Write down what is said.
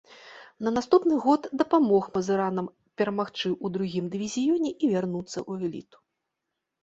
На наступны год дапамог мазыранам перамагчы ў другім дывізіёне і вярнуцца ў эліту.